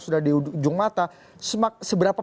sudah di ujung mata seberapa